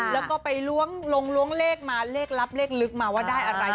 และไปลงเลขเลขรับเลขลึกมาว่าได้อะไร